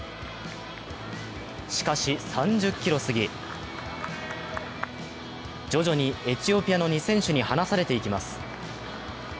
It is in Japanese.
しかし３０ｋｍ過ぎ徐々にエチオピアの２選手に離されていきます。